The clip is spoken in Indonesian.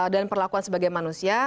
dan perlakuan sebagai manusia